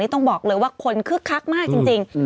ต้องบอกเลยว่าคนคึกคักมากจริง